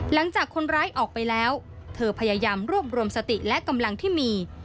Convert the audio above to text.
หลังจากคนร้ายออกไปแล้วเธอพยายามรวบรวมสติและกำลังที่มี